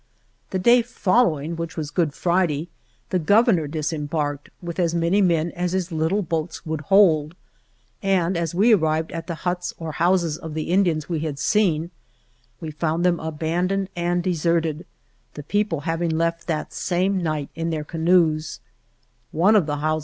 The day following (which was Good Friday) the Governor disembarked, with as many men as his little boats would hold, and as we arrived at the huts or houses of the Indians we had seen, we found them abandoned and deserted, the 8 Same date in Oviedo (Historia general y nat ural de Indias, Vol. Ill, p.